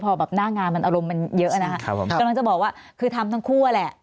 พอแบบหน้างานมันอารมณ์มันเยอะนะครับผมกำลังจะบอกว่าคือทำทั้งคู่อะแหละ